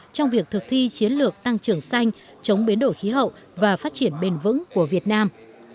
trong việc thực thi chiến lược tăng trưởng xanh chống biến đổi khí hậu và phát triển bền vững của việt nam